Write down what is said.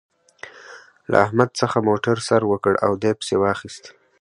له احمد څخه موتر سر وکړ او دې پسې واخيست.